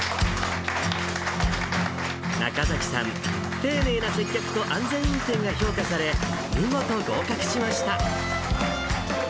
中崎さん、丁寧な接客と安全運転が評価され、見事合格しました。